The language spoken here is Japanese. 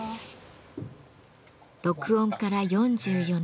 録音から４４年。